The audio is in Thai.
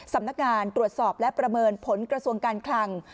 สำนักงานตรวจสอบและประเมินผลกระทรวงการคลัง